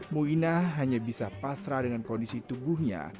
muina hanya bisa pasrah dengan kondisi tubuhnya